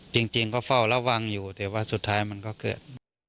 จริงก็เฝ้าระวังอยู่แต่ว่าสุดท้ายมันก็เกิด